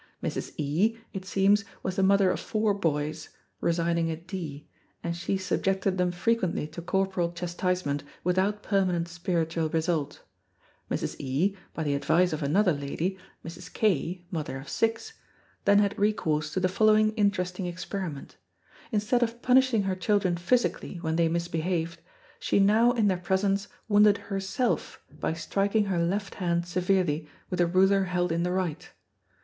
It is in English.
Mrs. E , it seems, was the mother of four boys (residing at D ), and she subjected them frequently to corporal chastisement without permanent spiritual result. Mrs. E , by the advice of another lady, Mrs. K (mother of six), then had recourse to the following interesting experiment. Instead of punishing her children physically when they misbehaved, she now in their presence wounded herself by striking her left hand severely with a ruler held in the right.